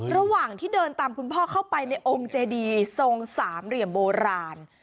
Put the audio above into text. ระหว่างที่เดินตามคุณพ่อเข้าไปในองค์เจดีทรงสามเหลี่ยมโบราณ